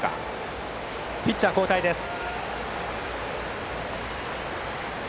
ピッチャー交代です。